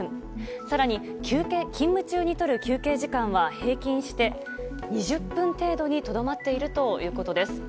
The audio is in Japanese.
更に勤務中に取る休憩時間は平均して２０分程度にとどまっているということです。